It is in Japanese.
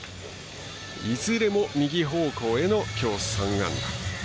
いずれも右方向へのきょう３安打。